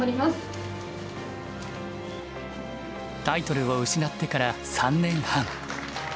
タイトルを失ってから３年半。